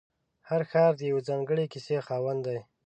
هر ښار د یوې ځانګړې کیسې خاوند دی.